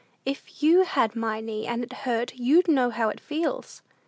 "If you had my knee, and it hurt, you'd know how it feels!"